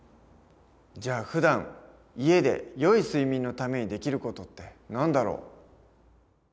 じゃあふだん家でよい睡眠のためにできる事って何だろう？